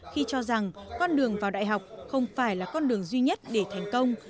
khi cho rằng con đường vào đại học không phải là con đường duy nhất để thành công